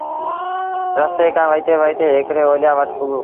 رستي کآݩ وهيٚتي وهيٚتي هڪڙي اوليآ وٽ پُڳو